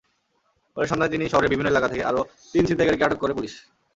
পরে সন্ধ্যায় শহরের বিভিন্ন এলাকা থেকে আরও তিন ছিনতাইকারীকে আটক করে পুলিশ।